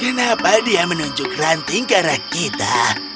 kenapa dia menunjuk ranting ke arah kita